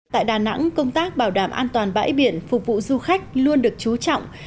tại đà nẵng công tác bảo đảm an toàn bãi biển phục vụ du khách luôn được chú trọng